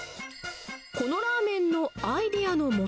このラーメンのアイデアのも